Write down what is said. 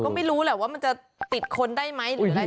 ก็ไม่รู้แหละว่ามันจะติดคนได้ไหมหรืออะไร